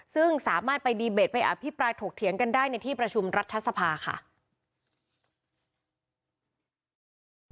ซึ่งสามารถไปดีเบตไปอภิปราณถกเถียงกันได้ในที่ประชุมรัฐธรรมนุนของคอสชค่ะ